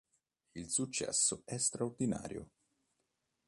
Il successo è straordinario.